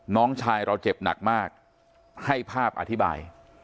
น้องชายเราเจ็บหนักมากให้ภาพอธิบาย